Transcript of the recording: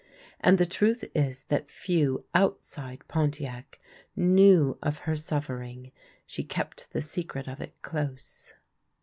And the truth is that few out side Pontiac knew of her suffering ; she kept the secret of it close.